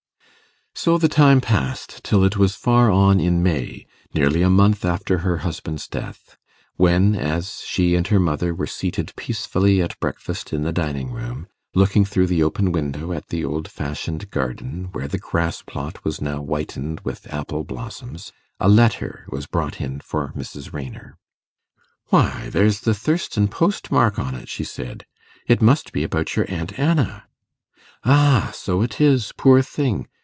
So the time passed, till it was far on in May, nearly a month after her husband's death, when, as she and her mother were seated peacefully at breakfast in the dining room, looking through the open window at the old fashioned garden, where the grass plot was now whitened with apple blossoms, a letter was brought in for Mrs. Raynor. 'Why, there's the Thurston post mark on it,' she said. 'It must be about your aunt Anna. Ah, so it is, poor thing!